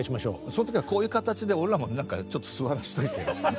その時はこういう形で俺らもなんかちょっと座らしといてね。